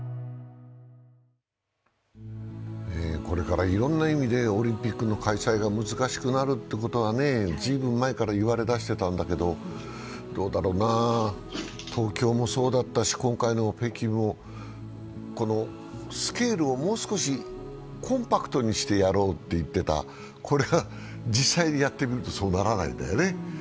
これからいろんな意味でオリンピックの開催が難しくなるということは随分前から言われだしてたんだけど、どうだろうな、東京もそうだったし今回の北京も、スケールをもう少しコンパクトにしてやろうと言っていた、これが実際にやってみると、そうならないんだよね。